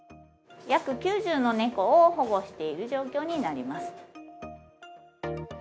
約９０の猫を保護している状況になります。